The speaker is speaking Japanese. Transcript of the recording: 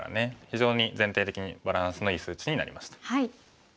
非常に全体的にバランスのいい数値になりました。